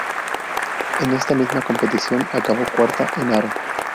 En esta misma competición acabó cuarta en aro.